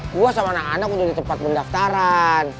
gue sama anak anak udah di tempat pendaftaran